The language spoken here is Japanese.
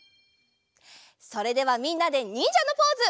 それではみんなでにんじゃのポーズ！